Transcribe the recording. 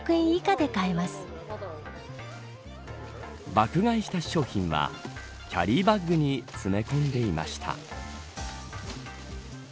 爆買いした商品はキャリーバッグに詰め込んでいました。